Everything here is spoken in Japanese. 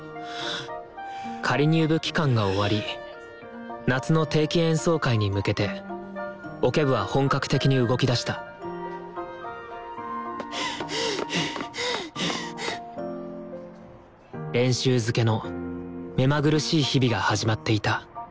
仮入部期間が終わり夏の定期演奏会に向けてオケ部は本格的に動きだした練習づけのめまぐるしい日々が始まっていた。